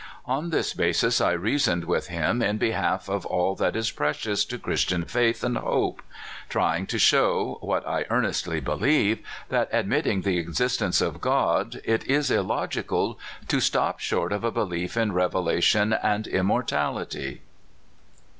On this basis I reasoned with him in behalf of all that is precious to Christian faith and hope, trying to show (what I earnestly believe) that, ad mitting the existence of God, it is illogical to stop short of a belief in revelation and immor tality.